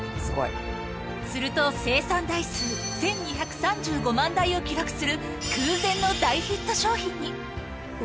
すると、生産台数１２３５万台を記録する空前の大ヒット商品に。